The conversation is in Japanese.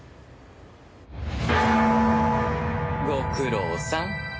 ご苦労さん。